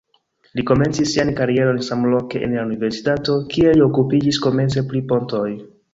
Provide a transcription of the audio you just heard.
Li komencis sian karieron samloke en la universitato, kie li okupiĝis komence pri pontoj.